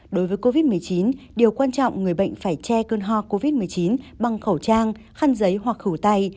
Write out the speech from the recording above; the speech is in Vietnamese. đối với covid một mươi chín điều quan trọng người bệnh phải che cơn ho covid một mươi chín bằng khẩu trang khăn giấy hoặc khử tay